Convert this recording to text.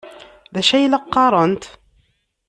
D acu ay la qqarent?